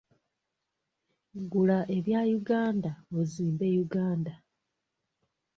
Gula ebya Uganda ozimbe Uganda.